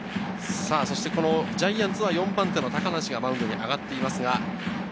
ジャイアンツは４番手の高梨がマウンドに上がっています。